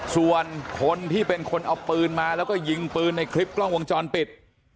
ส่วนคนที่เป็นคนเอาปืนมาแล้วก็ยิงปืนในคลิปกล้องวงจรปิด